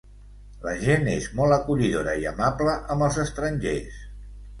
La gent és molt acollidora i amable amb els estrangers.